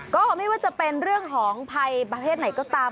ก็ไม่ว่าจะเป็นเรื่องของภัยประเภทไหนก็ตาม